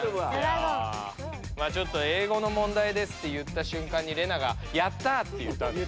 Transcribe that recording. まあちょっと英語の問題ですって言ったしゅんかんにレナがやったって言ったんです。